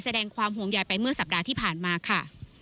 แสดงความห่วงใยไปเมื่อสัปดาห์ที่ผ่านมาค่ะ